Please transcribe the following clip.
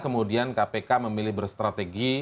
kemudian kpk memilih berstrategi